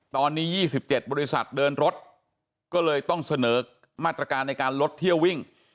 ตอนนี้๒๗บริษัทเดินรถก็เลยต้องเสนอมาตรการในการลดเที่ยววิ่ง